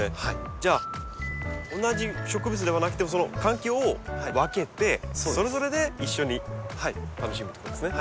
じゃあ同じ植物ではなくてもその環境を分けてそれぞれで一緒に楽しむってことですね。